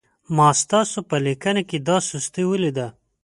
ما ستاسو په لیکنه کې دا سستي ولیدله.